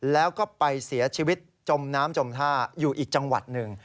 แล้วก็ไปเสียชีวิตจมน้ำจมท่าอยู่อีกจังหวัดหนึ่ง